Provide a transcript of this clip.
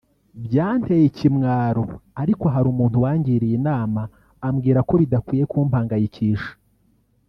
byanteye ikimwaro ariko hari umuntu wangiriye inama ambwira ko bidakwiye kumpangayikisha